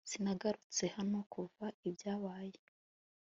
sinagarutse hano kuva ibyabaye